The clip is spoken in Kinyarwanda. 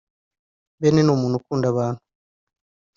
Ben ni umuntu ukunda abantu